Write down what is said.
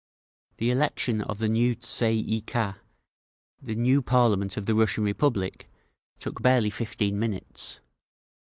The election of the new Tsay ee kah, the new parliament of the Russian Republic, took barely fifteen minutes.